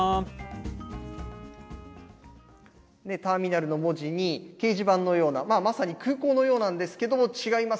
ターミナルの文字に、掲示板のような、まさに空港のようなんですけども、違います。